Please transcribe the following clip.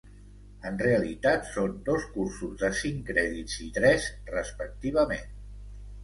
En realitat són dos cursos de cinc crèdits i tres, respectivament.